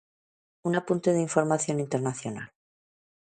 Un apunte de información internacional.